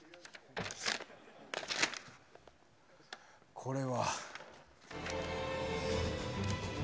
これは。